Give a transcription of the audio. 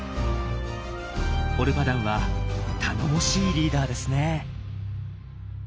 オルパダンは頼もしいリーダーですね。